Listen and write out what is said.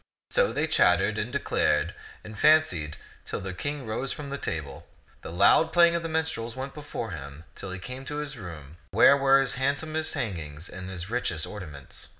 So they chattered and declared and fancied till the King rose from the table. The loud playing of the minstrels went before him till he came to his room where were his handsomest hangings and his richest ornaments.